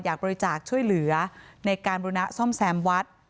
บริจาคช่วยเหลือในการบุรณะซ่อมแซมวัด